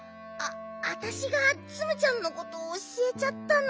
わたしがツムちゃんのことをおしえちゃったの。